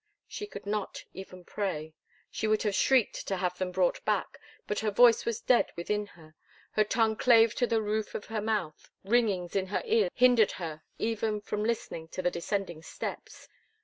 She could not even pray; she would have shrieked to have them brought back, but her voice was dead within her, her tongue clave to the roof of her mouth, ringings in her ears hindered her even from listening to the descending steps.